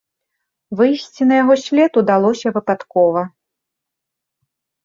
Выйсці на яго след удалося выпадкова.